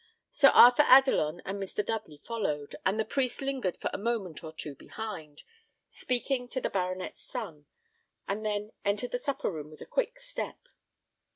Sir Arthur Adelon and Mr. Dudley followed, and the priest lingered for a moment or two behind, speaking to the baronet's son, and then entered the supper room with a quick step.